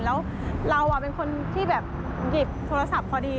แล้วเราเป็นคนที่แบบหยิบโทรศัพท์พอดี